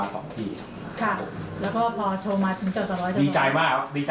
อันนี้อันนี้๒ล้านกว่า